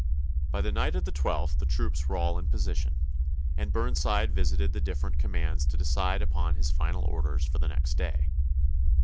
By the night of the 12th the troops were all in position, and Burnside visited the different commands to decide upon his final orders for the next day.